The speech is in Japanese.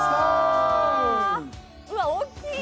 うわ、大きい！